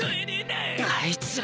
あいつら。